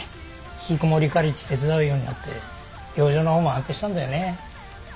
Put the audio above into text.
ひきこもりカレッジ手伝うようになって病状の方も安定したんだよね。